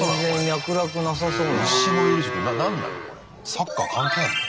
サッカー関係あるの？